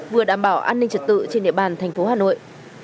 vừa đảm bảo an ninh trật tự trên địa bàn thành phố hà nội